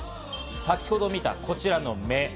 先程見たこちらの目。